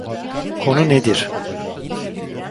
Konu nedir?